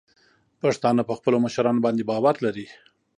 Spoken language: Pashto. پښتانه په خپلو مشرانو باندې باور لري.